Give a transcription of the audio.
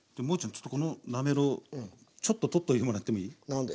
ちょっとこのなめろうちょっと取っといてもらってもいい？何で？